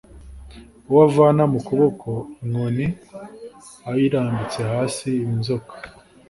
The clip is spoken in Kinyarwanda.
Uwo avana mu kuboko inkoni ayirambitse hasi iba inzoka